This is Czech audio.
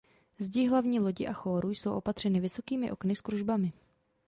Zdi hlavní lodi a chóru jsou opatřeny vysokými okny s kružbami.